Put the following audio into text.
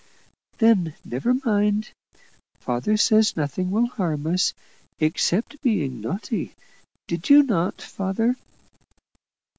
"Then never mind. Father says, nothing will harm us, except being naughty. Did you not, father?"